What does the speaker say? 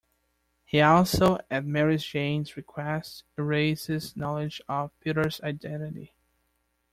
He also, at Mary Jane's request, erases knowledge of Peter's identity.